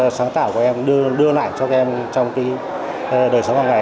cái bức sáng tạo của các em đưa lại cho các em trong cái đời sống hôm nay